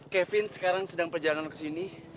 kevin sekarang sedang perjalanan ke sini